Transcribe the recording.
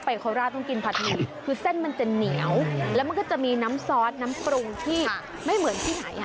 โคราชต้องกินผัดหมี่คือเส้นมันจะเหนียวแล้วมันก็จะมีน้ำซอสน้ำปรุงที่ไม่เหมือนที่ไหนอ่ะ